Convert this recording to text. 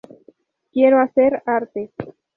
Quiero hacer arte".